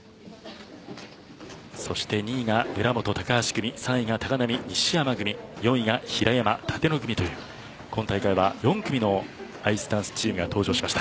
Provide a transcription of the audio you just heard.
そして２位が村元・高橋組３位が高浪・西山組４位が平山・立野組という今大会は４組のアイスダンスチームが登場しました。